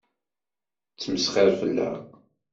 Tettmesxiṛ fell-aɣ.